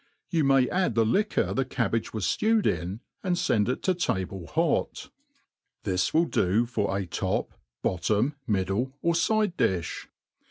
You may add the liquor the cabbage was fiewed in, and (wi it to table hot. This will do for a, top^ bottom, middle, or fide difli.